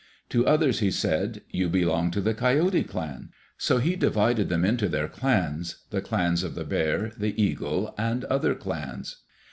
To others he said, "You belong to the Coyote clan." So he divided them into their clans, the clans of the Bear, the Eagle, and other clans.